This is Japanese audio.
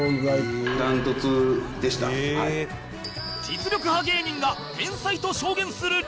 実力派芸人が天才と証言する理由とは？